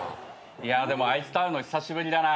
いやでもあいつと会うの久しぶりだな。